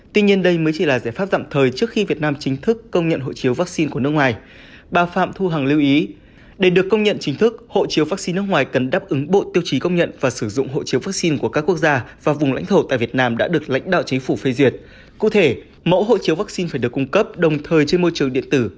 tuy nhiên đây mới chỉ là giải pháp dặm thời trước khi việt nam chính thức công nhận hộ chiếu vaccine của nước ngoài